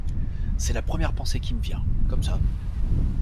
C’est la première pensée qui me vient, comme ça.